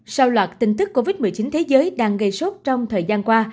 sau loạt tin tức covid một mươi chín thế giới đang gây sốt trong thời gian qua